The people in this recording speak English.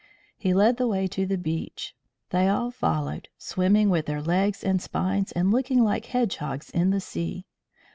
He led the way to the beach. They all followed, swimming with their legs and spines, and looking like hedgehogs in the sea.